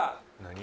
何？